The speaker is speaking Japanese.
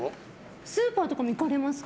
スーパーとかも行かれますか？